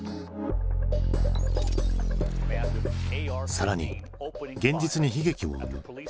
更に現実に悲劇も生む。